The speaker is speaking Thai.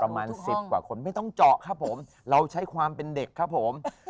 ประมาณสิบกว่าคนไม่ต้องเจาะครับผมเราใช้ความเป็นเด็กครับผม